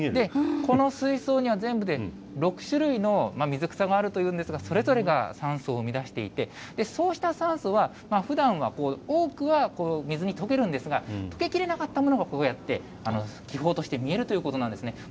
この水槽には全部で６種類の水草があるというんですが、それぞれが酸素を生み出していて、そうした酸素は、ふだんは多くは水に溶けるんですが、溶けきれなかったものが、こうやって気泡として見えるということなんですね。